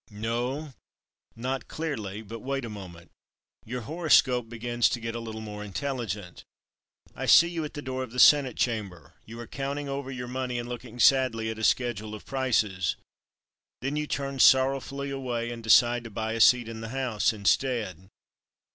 "No, not clearly. But wait a moment. Your horoscope begins to get a little more intelligent. I see you at the door of the Senate Chamber. You are counting over your money and looking sadly at a schedule of prices. Then you turn sorrowfully away and decide to buy a seat in the House instead.